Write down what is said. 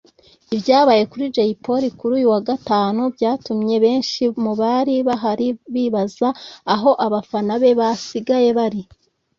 Ibyabaye kuri Jay Polly kuri uyu wa Gatanu byatumye benshi mubari bahari bibaza aho abafana be basigaye bari